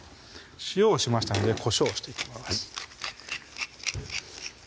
塩をしましたのでこしょうをしていきます